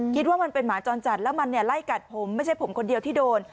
คิดว่ามันเป็นหมาจรจัดแล้วมันไล่กัดผมไม่ใช่ผมคนเดียวที่โดน